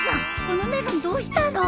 このメロンどうしたの？